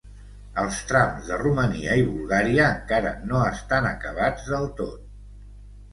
Els trams de Romania i Bulgària encara no estan acabats del tot.